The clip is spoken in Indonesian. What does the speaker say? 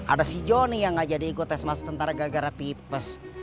ada si jonny yang enggak jadi ikut tes masuk tentara gagal rati pes